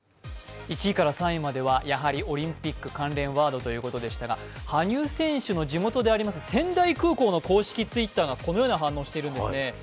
１位から３位まにではやはりオリンピック関連ワードということでありましたが、羽生選手の地元であります仙台空港の公式Ｔｗｉｔｔｅｒがこのような反応を示しているんですね。